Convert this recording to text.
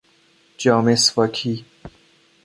جا مسواکی